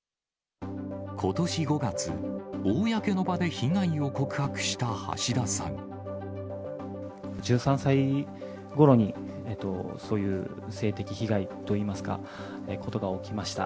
ことし５月、公の場で被害を１３歳ごろに、そういう性的被害といいますか、ことが起きました。